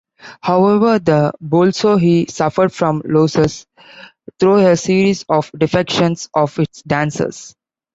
However, the Bolshoi suffered from losses through a series of defections of its dancers.